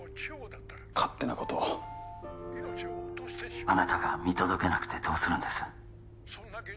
勝手なことをあなたが見届けなくてどうするんです？